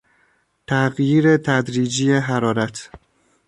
تغییر تدریجی حرارت